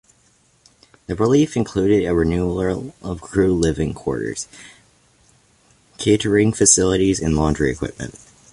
The refit included a renewal of crew living quarters, catering facilities and laundry equipment.